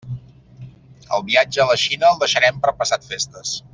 El viatge a la Xina el deixarem per passat festes.